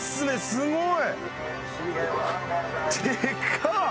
すごい。